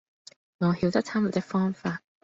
我曉得他們的方法，